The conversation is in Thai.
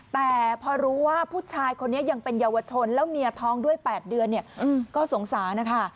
แต่พอรู้ว่าผู้ชายคนนี้ยังเป็นเยาวชนแล้วเมียท้องด้วย๘เดือนเนี่ยก็สงสารนะคะ